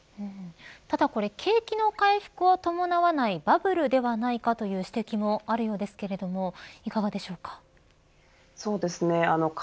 ただこれ景気の回復を伴わないバブルではないかという指摘もあるようですからいかがでしょうか。